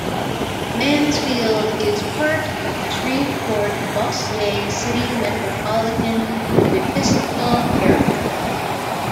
Mansfield is part of the Shreveport-Bossier City Metropolitan Statistical Area.